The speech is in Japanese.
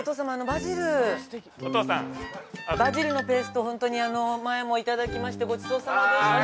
バジルのペーストをホントに前も頂きましてごちそうさまでした。